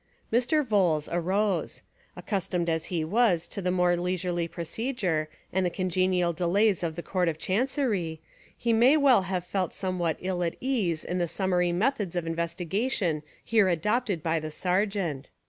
Mr. Vholes arose. Accustomed as he was to the more leisurely procedure and the con genial delays of the Court of Chancery, he may well have felt somewhat ill at ease in the sum mary methods of investigation here adopted by the Sergeant.